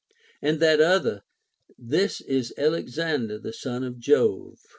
and that other, — This is Alexander the son of Jove.